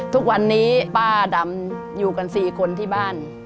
ทุกวันนี้ป้าดำอยู่กัน๔คนที่บ้าน